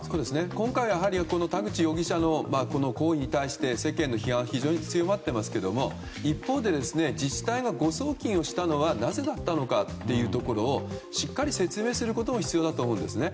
今回、田口容疑者の行為に対して、世間の批判は非常に強まっていますが一方で、自治体が誤送金をしたのはなぜかしっかり説明することも必要だと思いますね。